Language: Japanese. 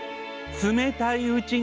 冷たいうちに？